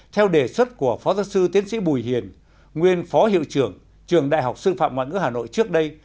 theo đề xuất của phó giáo sư tiến sĩ bùi hiền nguyên phó hiệu trưởng trường đại học sư phạm ngoại ngữ hà nội trước đây